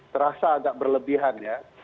terasa agak berlebihan ya